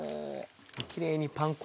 キレイにパン粉も。